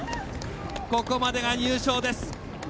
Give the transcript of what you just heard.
ここまでが入賞です。